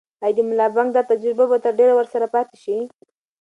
آیا د ملا بانګ دا تجربه به تر ډېره ورسره پاتې شي؟